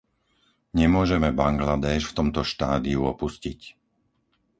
Nemôžeme Bangladéš v tomto štádiu opustiť.